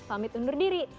pamit undur diri